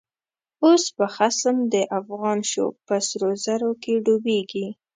اوس چه خصم دافغان شو، په سرو زرو کی ډوبیږی